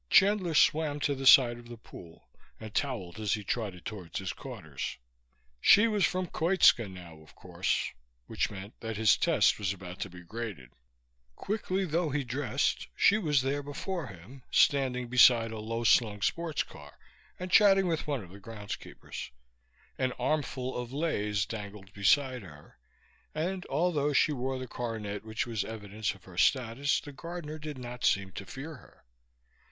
Chandler swam to the side of the pool and toweled as he trotted toward his quarters. She was from Koitska now, of course; which meant that his "test" was about to be graded. Quickly though he dressed, she was there before him, standing beside a low slung sports car and chatting with one of the groundskeepers. An armful of leis dangled beside her, and although she wore the coronet which was evidence of her status the gardener did not seem to fear her.